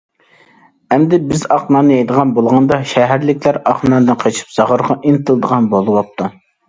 ئەمدى بىز ئاق نان يەيدىغان بولغاندا، شەھەرلىكلەر ئاق ناندىن قېچىپ، زاغرىغا ئىنتىلىدىغان بولۇۋاپتۇ!